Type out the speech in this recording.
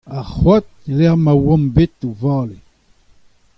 Ar c'hoad el lec'h ma oamp bet o vale.